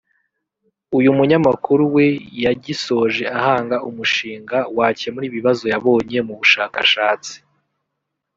uyu munyamakuru we yagisoje ahanga umushinga wakemura ibibazo yabonye mu bushakashatsi